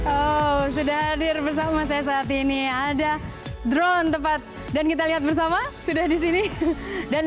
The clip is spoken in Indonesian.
oh sudah hadir bersama saya saat ini ada drone tepat dan kita lihat bersama sudah di sini dan